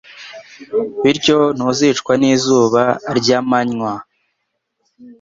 Bityo ntuzicwa n’izuba ry’amanywa